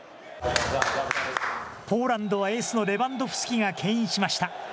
ポーランドはエースのレバンドフスキがけん引しました。